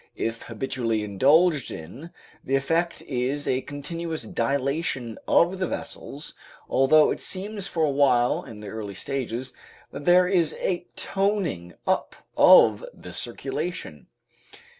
If habitually indulged in, the effect is a continuous dilatation of the vessels, although it seems for a while in the early stages that there is a toning up of the circulation.